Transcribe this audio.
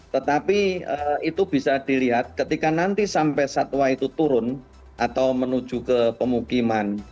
tetapi itu bisa dilihat ketika nanti sampai satwa itu turun atau menuju ke pemukiman